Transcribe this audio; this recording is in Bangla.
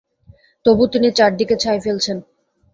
তবু তিনি চারদিকে ছাই ফেলছেন।